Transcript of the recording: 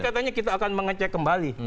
ya ini katanya kita akan mengecek kembali